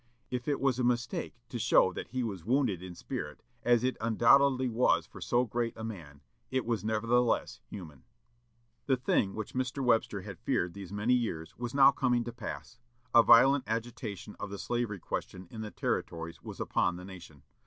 If it was a mistake to show that he was wounded in spirit, as it undoubtedly was for so great a man, it was nevertheless human. The thing which Mr. Webster had feared these many years was now coming to pass. A violent agitation of the slavery question in the Territories was upon the nation.